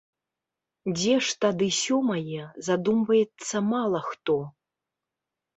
Дзе ж тады сёмае, задумваецца мала хто.